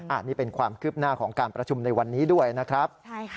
อันนี้เป็นความคืบหน้าของการประชุมในวันนี้ด้วยนะครับ